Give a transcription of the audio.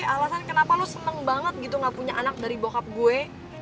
alasan kenapa lo seneng banget gitu gak punya anak dari bokap gue